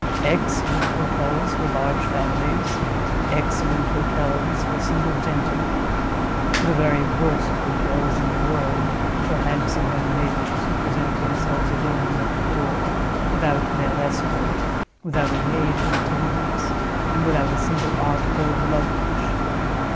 "Excellent hotels for large families; excellent hotels for single gentlemen. The very worst hotels in the world for handsome young ladies who present themselves alone at the door without male escort, without a maid in attendance, and without a single article of luggage.